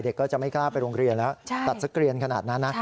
ก็จะไม่กล้าไปโรงเรียนแล้วตัดสเกลียนขนาดนั้นนะ